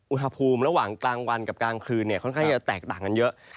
อุณหภูมิระหว่างกลางวันกับกลางคืนค่อนข้างจะแตกต่างกันเยอะ